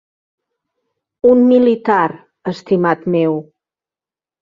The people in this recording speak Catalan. Un militar, estimat meu.